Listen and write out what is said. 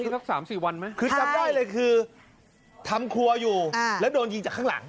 สัก๓๔วันไหมคือจำได้เลยคือทำครัวอยู่แล้วโดนยิงจากข้างหลัง